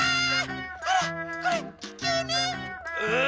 あらこれききゅうね！うん！